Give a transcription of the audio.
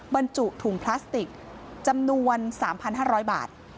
บรรจุถุงพลาสติกจำนวน๓๕๐๐บาท